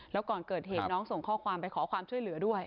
แล้วก่อนเกิดเหตุน้องส่งข้อความไปขอความช่วยเหลือด้วย